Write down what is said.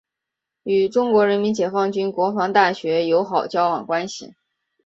与中国人民解放军国防大学友好交往关系。